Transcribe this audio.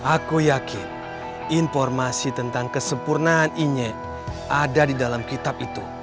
aku yakin informasi tentang kesempurnaan inyek ada di dalam kitab itu